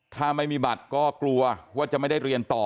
ถ้าไม่มีบัตรก็กลัวว่าจะไม่ได้เรียนต่อ